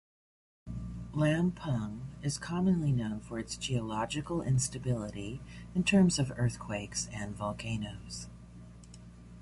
Lampung is commonly known for its geological instability in terms of earthquakes and volcanoes.